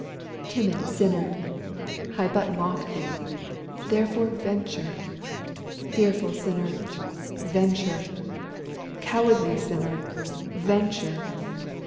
Timid sinner, I but mock thee, therefore venture! Fearful sinner, venture! Cowardly sinner, venture.